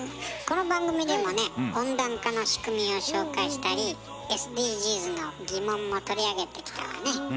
この番組でもね温暖化の仕組みを紹介したりＳＤＧｓの疑問も取り上げてきたわね。